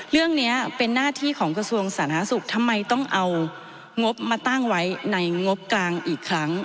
เรื่องนี้เป็นหน้าที่ของกระทรวงสาธารณสุขทำไมต้องเอางบมาตั้งไว้ในงบกลางอีกครั้ง